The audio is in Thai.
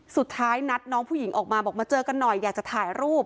สุดท้ายนัดน้องผู้หญิงออกมาบอกมาเจอกันหน่อยอยากจะถ่ายรูป